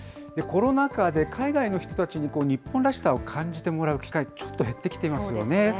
コロナ禍で海外の人たちに日本らしさを感じてもらう機会って、ちょっと減ってきていますよね。